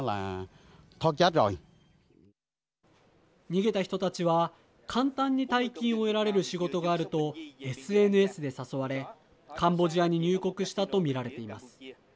逃げた人たちは、簡単に大金を得られる仕事があるとＳＮＳで誘われカンボジアに入国したと見られています。